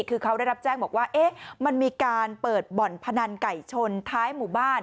คือเขาได้รับแจ้งบอกว่ามันมีการเปิดบ่อนพนันไก่ชนท้ายหมู่บ้าน